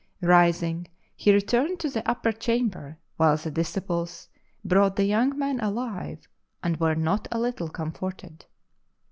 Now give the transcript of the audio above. Rising, he returned to the upper chamber, while the disciples brought the young man alive, and were not a little comforted."